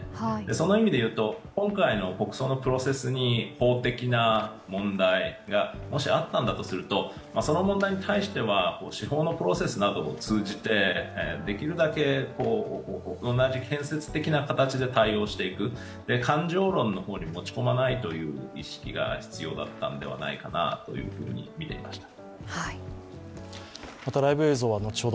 その意味で言うと今回の国葬のプロセスに法的な問題がもしあったんだとすると、その問題に対しては司法のプロセスなどを通じてできるだけ同じ建設的な形で対応していく、感情論の方に持ち込まないという意識が必要だったのではないかと見ていました。